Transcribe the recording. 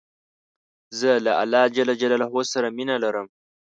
زه له الله ج سره مینه لرم.